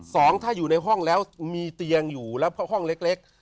สองถ้าอยู่ในห้องแล้วมีเตียงอยู่แล้วเพราะห้องเล็ก